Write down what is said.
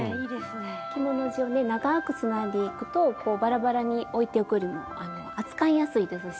着物地をね長くつないでいくとバラバラにおいておくよりも扱いやすいですし。